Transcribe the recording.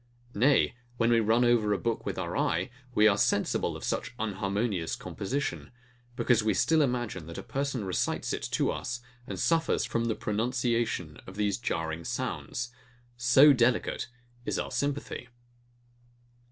Nay, when we run over a book with our eye, we are sensible of such unharmonious composition; because we still imagine, that a person recites it to us, and suffers from the pronunciation of these jarring sounds. So delicate is our sympathy!